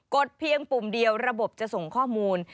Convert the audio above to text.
ดเพียงปุ่มเดียวระบบจะส่งข้อมูล